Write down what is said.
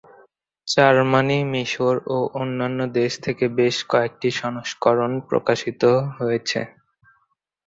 Germany, মিশর ও অন্যান্য দেশ থেকে বেশ কয়েকটি সংস্করণ প্রকাশিত হয়েছে।